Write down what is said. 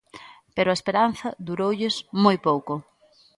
Pero a esperanza duroulles moi pouco.